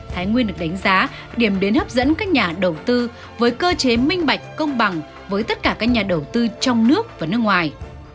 thái nguyên được đánh giá điểm đến hấp dẫn các nhà đầu tư với cơ chế minh bạch công bằng với tất cả các nhà đầu tư trong nước và nước ngoài